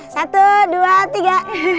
satu dua tiga